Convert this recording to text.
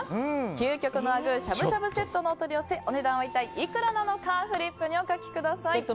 究極のあぐーしゃぶしゃぶセットのお取り寄せお値段は一体いくらなのかフリップにお書きください。